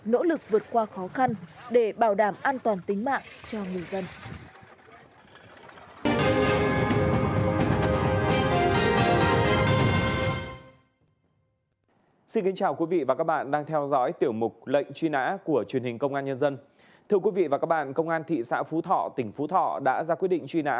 nỗ lực vượt qua khó khăn để bảo đảm an toàn tính mạng cho người dân